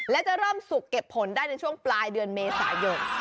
และจะเริ่มสุกเก็บผลได้ในช่วงปลายเดือนเมษายน